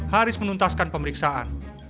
haris menuntaskan pemeriksaan